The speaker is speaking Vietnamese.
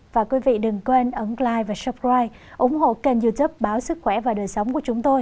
và quý vị đừng quên ấn clife và supride ủng hộ kênh youtube báo sức khỏe và đời sống của chúng tôi